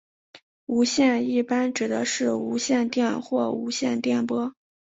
无线一般指的是无线电或无线电波。